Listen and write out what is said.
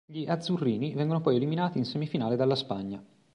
Gli "Azzurrini" vengono poi eliminati in semifinale dalla Spagna.